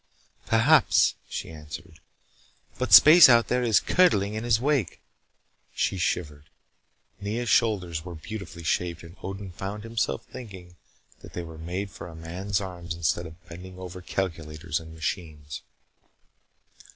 "Perhaps," she answered. "But space out there is curdling in his wake." She shivered. Nea's shoulders were beautifully shaped, and Odin found himself thinking that they were made for a man's arms instead of bending over calculators and machines.